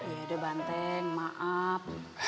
iya deh banteng maaf